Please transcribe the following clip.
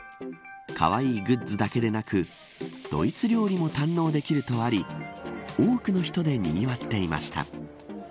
かわいいグッズだけでなくドイツ料理も堪能できるとあり多くの人でにぎわっていました。